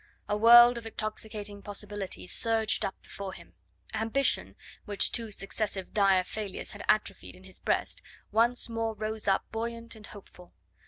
A world of intoxicating possibilities surged up before him. Ambition, which two successive dire failures had atrophied in his breast, once more rose up buoyant and hopeful.